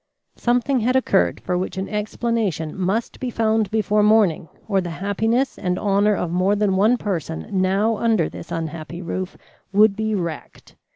Something had occurred for which an explanation must be found before morning, or the happiness and honour of more than one person now under this unhappy roof would be wrecked.